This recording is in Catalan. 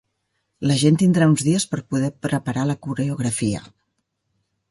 La gent tindrà uns dies per poder preparar la coreografia.